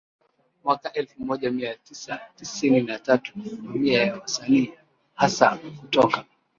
mwaka elfu moja mia tisa tisini na tatu Mamia ya wasanii hasa kutoka